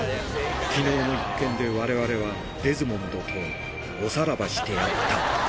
きのうの一件でわれわれはデズモンドとおさらばしてやった。